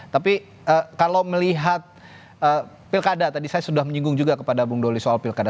tapi kalau melihat pilkada tadi saya sudah menyinggung juga kepada bung doli soal pilkada